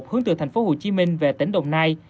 hướng từ thành phố hồ chí minh về tỉnh đồng nai